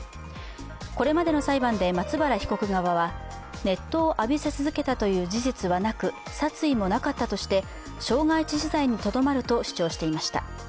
これまでの裁判で松原被告側は熱湯を浴びせ続けたという事実はなく殺意もなかったとして、傷害致死罪にとどまると主張していました。